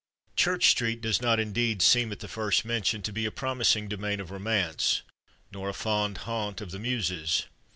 Church Street does not, indeed, seem at the first mention to be a promising domain of romance, nor a fond haunt of the Muses.